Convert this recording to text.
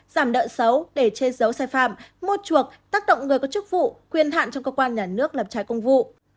giảm nợ xấu để che giấu sai phạm mua chuộc tác động người có chức vụ quyền hạn trong cơ quan nhà nước lập trái công vụ